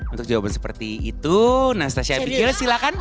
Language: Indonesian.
untuk jawaban seperti itu nastassia epic giles silahkan